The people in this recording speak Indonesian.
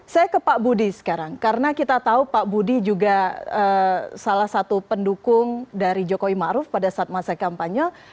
saya ke pak budi sekarang karena kita tahu pak budi juga salah satu pendukung dari jokowi ⁇ maruf ⁇ pada saat masa kampanye